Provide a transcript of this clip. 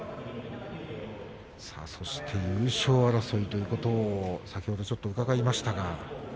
そして優勝争いということを先ほど伺いました。